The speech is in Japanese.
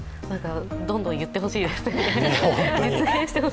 どんどん言ってほしいですね。